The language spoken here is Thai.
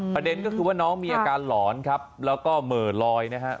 ประเด็นก็คือว่าน้องมีอาการหลอนครับแล้วก็เหม่อลอยนะฮะ